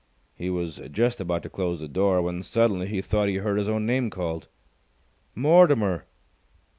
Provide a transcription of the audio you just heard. He was just about to close the door, when suddenly he thought he heard his own name called. "Mortimer!"